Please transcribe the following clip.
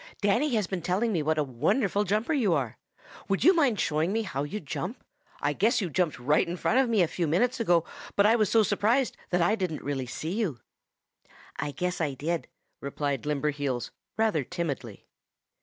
"Danny has been telling me what a wonderful jumper you are. Would you mind showing me how you jump? I guess you jumped right in front of me a few minutes ago, but I was so surprised that I didn't really see you." "I guess I did," replied Limberheels rather timidly.